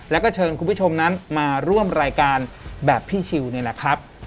แล้วก็เชิญคุณผู้ชมนั้นมาร่วมรายการแบบพี่ชิวเนี่ยนะครับ